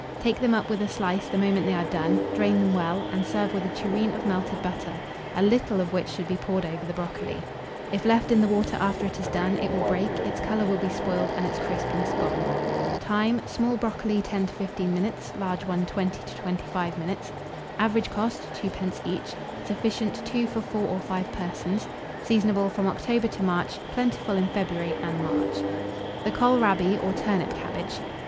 Take them up with a slice the moment they are done; drain them well, and serve with a tureen of melted butter, a little of which should be poured over the brocoli. If left in the water after it is done, it will break, its colour will be spoiled, and its crispness gone. Time. Small brocoli, 10 to 15 minutes; large one, 20 to 25 minutes. Average cost, 2d. each. Sufficient, 2 for 4 or 5 persons. Seasonable from October to March; plentiful in February and March. [Illustration: BROCOLI.] THE KOHL RABI, OR TURNIP CABBAGE.